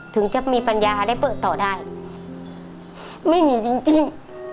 ถึงจะมีปัญญาได้เปิดต่อได้ไม่หนีจริงจริง